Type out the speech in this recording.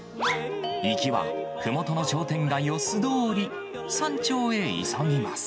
行きはふもとの商店街を素通り、山頂へ急ぎます。